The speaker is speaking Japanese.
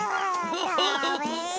フフフフ。